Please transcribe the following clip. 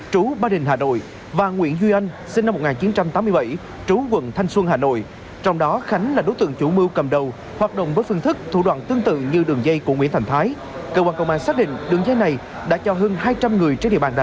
từ tháng bảy năm rồi em làm tới hôm nay là được bảy tháng ra đây hoạt động với phương thức là gãi tự gây gãi cho facebook lãi suất là